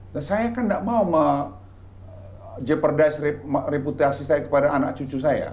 nah saya kan tidak mau jeopardize reputasi saya kepada anak cucu saya